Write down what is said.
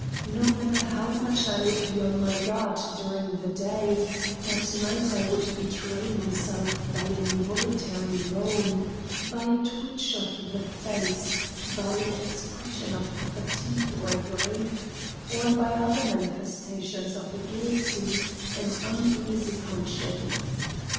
No matter how much I would be on my guard during the day, at night I would betray myself by an involuntary moan, by a twitch of the face, by an expression of fatigue or grief, or by other manifestations of a guilty and uneasy conscience.